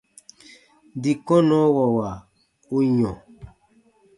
Dii kɔnnɔwɔwa u yɔ̃.